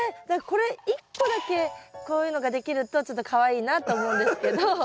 何かこれ一個だけこういうのができるとちょっとかわいいなって思うんですけど。